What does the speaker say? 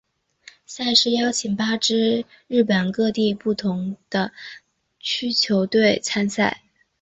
赛事邀请八支日本各地不同地区球队参赛。